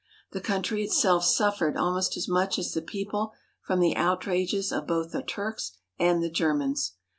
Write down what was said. The country itself suffered almost as much as the people from the outrages of both the Turks and the Germans.